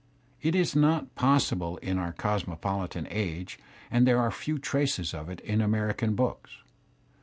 It is not posi^ble in our co sr= ^ \mopolitan age and there are few traces of it in American books.